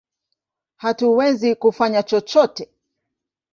Hatuwezi kufanya chochote!